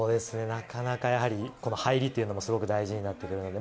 やはり、この入りっていうのもすごく大事になってくるので。